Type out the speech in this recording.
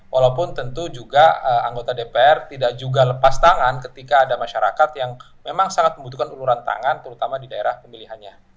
walaupun tentu juga anggota dpr tidak juga lepas tangan ketika ada masyarakat yang memang sangat membutuhkan uluran tangan terutama di daerah pemilihannya